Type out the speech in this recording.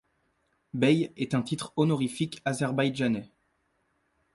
Bey est un titre honorifique azerbaïdjanais.